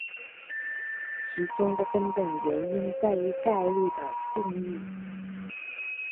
其中的根本原因在于概率的定义。